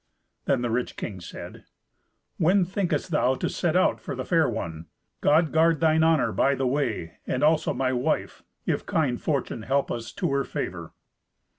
Then the rich king said, "When thinkest thou to set out for the fair one? God guard thine honour by the way, and also my wife, if kind fortune help us to her favour."